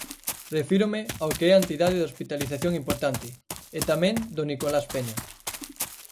Refírome ao que é a entidade de hospitalización importante, e tamén do Nicolás Peña.